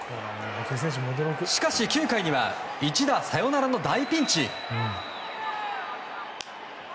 しかし、９回には一打サヨナラの大ピンチ。